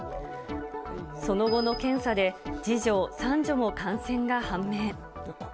その後の検査で、次女、三女も感染が判明。